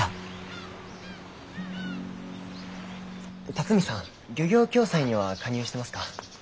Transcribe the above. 龍己さん漁業共済には加入してますか？